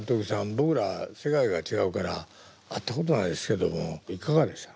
僕ら世界が違うから会ったことないですけどもいかがでした？